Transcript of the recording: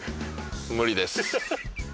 無理です。